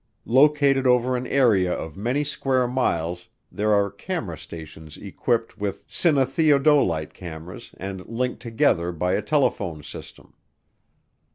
Located over an area of many square miles there are camera stations equipped with cinetheodolite cameras and linked together by a telephone system.